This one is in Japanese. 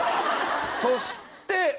そして。